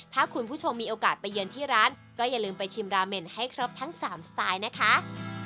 ถ้าคุณผู้ชมมีโอกาสไปเยือนที่ร้านก็อย่าลืมไปชิมราเมนให้ครบทั้ง๓สไตล์นะคะ